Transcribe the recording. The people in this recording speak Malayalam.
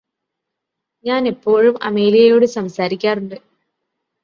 ഞാനെപ്പോഴും അമേലിയയോട് സംസാരിക്കാറുണ്ട്